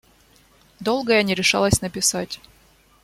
Долго я не решалась написать.